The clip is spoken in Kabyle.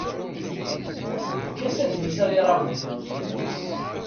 Efk-as adlis-a i Ramu.